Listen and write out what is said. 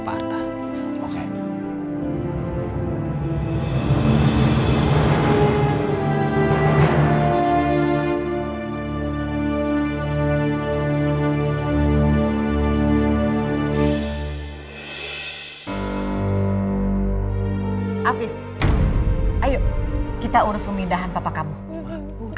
baik kalau begitu bapak tanda tangani surat ini akan terbuka